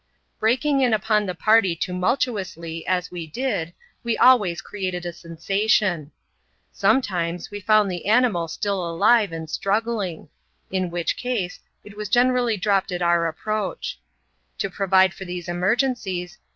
Breaking in upon the party tumultuously, as we did, we always created a sensation. Sometimes, we found the animal still alive and struggling ; in which case, it was generally dropped at our approach. To provide for these emergencies.